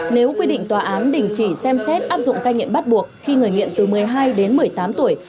nếu quy định tòa án đình chỉ xem xét áp dụng cai nghiện bắt buộc khi người nghiện từ một mươi hai đến một mươi tám tuổi